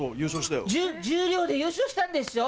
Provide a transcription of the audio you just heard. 十両で優勝したんでしょ？